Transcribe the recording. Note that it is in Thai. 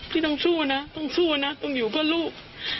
พี่ต้องชู้นะต้องอยู่เพื่อลูก